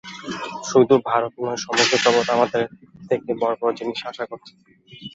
শুধু ভারত নয়, সমগ্র জগৎ আমাদের কাছ থেকে বড় বড় জিনিষ আশা করছে।